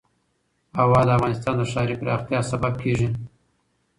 هوا د افغانستان د ښاري پراختیا سبب کېږي.